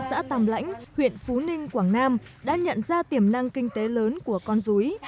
xã tàm lãnh huyện phú ninh quảng nam đã nhận ra tiềm năng kinh tế lớn của con rúi